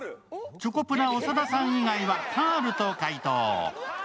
チョコプラ長田さん以外はカールと解答。